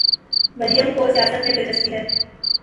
مریم کو سیاست میں دلچسپی ہے۔